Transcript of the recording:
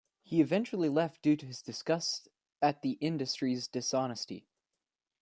He eventually left due to his disgust at the industry's dishonesty.